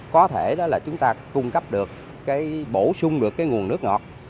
có thể chúng ta cung cấp được bổ sung được nguồn nước ngọt